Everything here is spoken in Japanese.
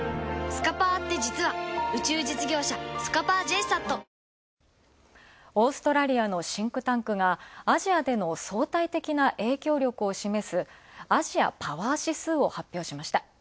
オーストラリアの研究機関がオーストラリアのシンクタンクがアジアでの相対的な影響力を示すアジアパワー指数を発表しました。